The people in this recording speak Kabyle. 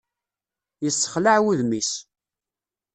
Yessexlaɛ wudem-is.